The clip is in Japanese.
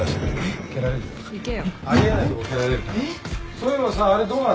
そういえばさあれどうなったの？